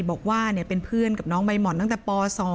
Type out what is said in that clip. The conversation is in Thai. บอกว่าเป็นเพื่อนกับน้องใบห่อนตั้งแต่ป๒